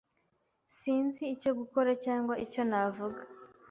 Sinzi icyo gukora cyangwa icyo navuga.